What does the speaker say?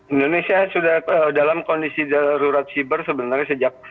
indonesia sudah dalam kondisi darurat siber sebenarnya sejak